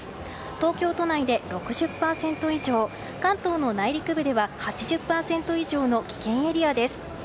東京都内で６０％以上関東の内陸部では８０％以上の危険エリアです。